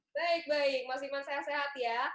baik baik mas iman sehat sehat ya